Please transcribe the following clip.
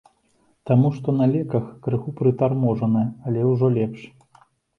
Таму што на леках, крыху прытарможаная, але ўжо лепш.